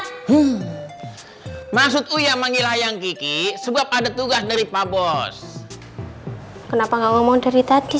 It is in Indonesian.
hai masuk uyamangilayang kiki sebab ada tugas dari pak bos kenapa enggak ngomong dari tadi